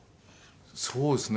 そうですね。